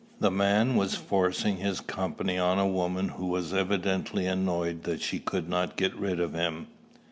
The man was forcing his company on a woman who was evidently annoyed that she could not get rid of him.